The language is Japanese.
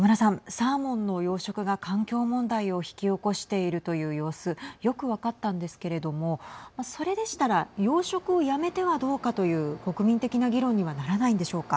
サーモンの養殖が環境問題を引き起こしているという様子よく分かったんですけれどもそれでしたら養殖をやめてはどうかという国民的な議論にはならないんでしょうか。